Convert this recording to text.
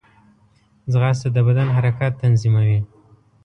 ځغاسته د بدن حرکات تنظیموي